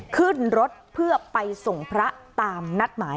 ขึ้นรถเพื่อไปส่งพระตามนัดหมาย